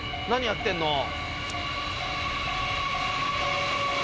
何やってるの？